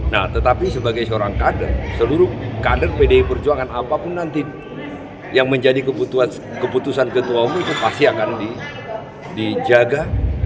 nah tetapi sebagai seorang kader seluruh kader pdi perjuangan apapun nanti yang menjadi keputusan ketua umum itu pasti akan dijaga